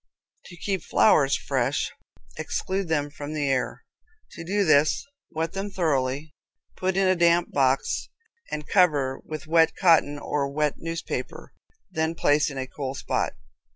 To Keep Flowers Fresh exclude them from the air. To do this wet them thoroughly, put in a damp box, and cover with wet raw cotton or wet newspaper, then place in a cool spot.